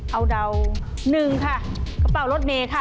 เอาเดา๑ค่ะกระเป๋ารถเมย์ค่ะ